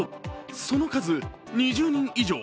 その数２０人以上。